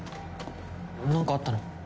なんかあったの？